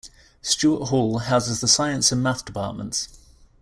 Stewart Hall houses the science and math departments.